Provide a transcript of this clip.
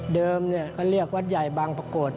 เดิมก็เรียกวัดใหญ่บางปรากฏ